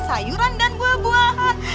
sayuran dan buah buahan